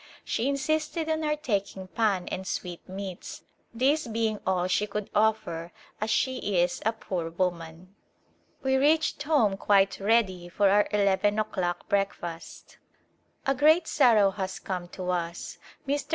She insisted on our taking pan and sweetmeats, this being all she could offer as she is a poor woman. We reached home quite ready for our eleven o'clock breakfast. A great sorrow has come to us. Mr.